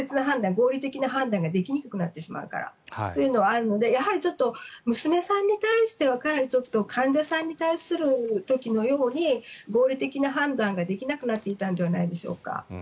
合理的な判断ができにくくなってしまうからというのはあるのでちょっと娘さんに対しては患者さんに対する時のように合理的な判断ができなくなっていたのではないでしょうか。